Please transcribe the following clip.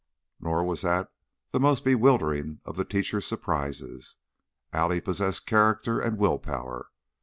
Nor was that the most bewildering of the teacher's surprises; Allie possessed character and will power.